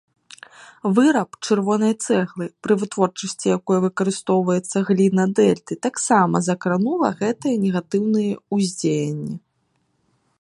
Выраб чырвонай цэглы, пры вытворчасці якой выкарыстоўваецца гліна дэльты, таксама закранула гэтае негатыўнае ўздзеянне.